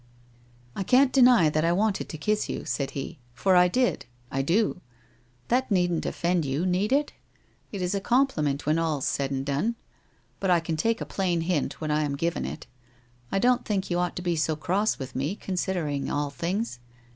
' I can't deny that I wanted to kiss you/ said he, * for I did; I do. That needn't offend you, need it? It is a compliment when all's said and done. But I can take a plain hint when I am given it. I don't think you ought to be so cross with me, considering all things.